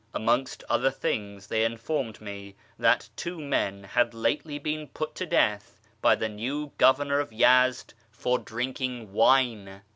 Amongst other things they informed me that two men had lately been put to death by the new Governor of Yezd for drinking wine.